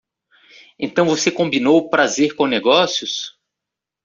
Então você combinou prazer com negócios!